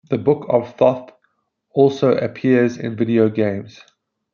The "Book of Thoth" also appears in video games.